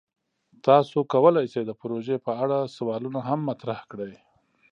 تاسو کولی شئ د پروژې په اړه سوالونه هم مطرح کړئ.